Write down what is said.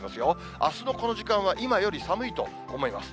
あすのこの時間は今より寒いと思います。